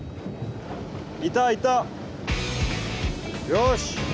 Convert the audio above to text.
よし！